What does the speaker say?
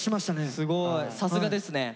すごいさすがですね。